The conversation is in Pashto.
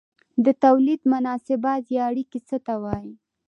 د توليد مناسبات یا اړیکې څه ته وايي؟